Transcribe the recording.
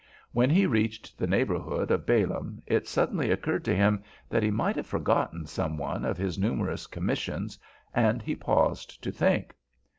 When he reached the neighborhood of Balaam it suddenly occurred to him that he might have forgotten some one of his numerous commissions, and he paused to think.